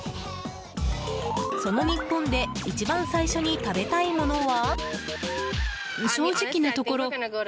その日本で一番最初に食べたいものは？